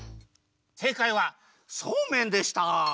せいかいはそうめんでした！